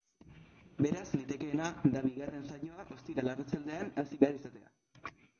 Beraz, litekeena da bigarren saioa ostiral arratsaldean hasi behar izatea.